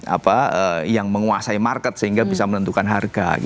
apa yang menguasai market sehingga bisa menentukan harga